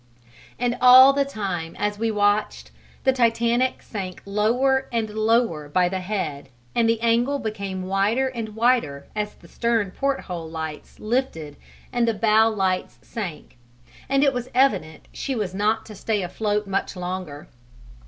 And all the time, as we watched, the Titanic sank lower and lower by the head and the angle became wider and wider as the stern porthole lights lifted and the bow lights sank, and it was evident she was not to stay afloat much longer.